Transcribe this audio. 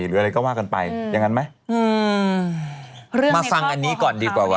หรืออะไรก็ว่ากันไปอย่างนั้นไหมอืมมาฟังอันนี้ก่อนดีกว่าว่